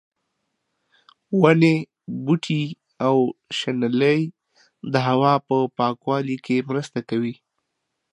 ونې، بوټي او شنېلی د هوا په پاکوالي کې مرسته کوي.